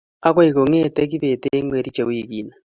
agoi kongete kibet eng Kericho wiikini